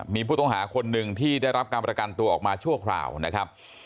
มีผู้ต้องหาคนหนึ่งที่ได้รับการประกันตัวออกมาชั่วคราวนะครับ